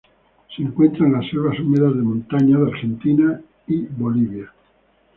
Se encuentra en las selvas húmedas de montaña de Argentina y Bolivia.